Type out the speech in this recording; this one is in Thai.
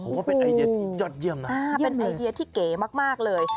โอ้โฮเป็นไอเดียที่ยอดเยี่ยมนะยิ่มเลยเป็นไอเดียที่เก๋มากเลย